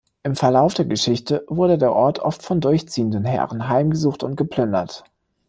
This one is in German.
Im Verlauf der Geschichte wurde der Ort oft von durchziehenden Heeren heimgesucht und geplündert.